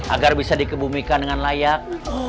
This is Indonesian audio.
agar bisa dikebumikan dengan layak